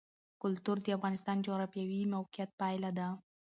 کلتور د افغانستان د جغرافیایي موقیعت پایله ده.